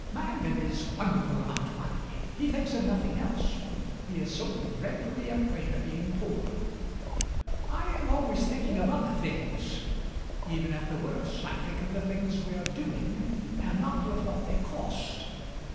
Mangan is wonderful about money: he thinks of nothing else. He is so dreadfully afraid of being poor. I am always thinking of other things: even at the works I think of the things we are doing and not of what they cost.